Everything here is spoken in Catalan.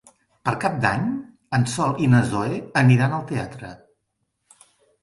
Per Cap d'Any en Sol i na Zoè aniran al teatre.